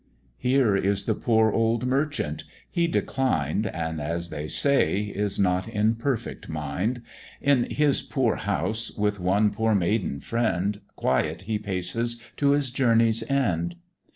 Here is the poor old Merchant: he declined, And, as they say, is not in perfect mind; In his poor house, with one poor maiden friend, Quiet he paces to his journey's end.